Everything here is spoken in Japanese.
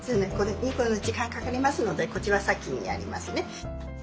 時間かかりますのでこちら先にやりますね。